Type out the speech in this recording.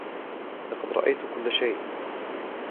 لقد رأيت كل شئ.